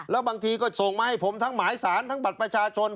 แล้วบางทีก็ส่งมาให้ผมทั้งหมายสารทั้งบัตรประชาชน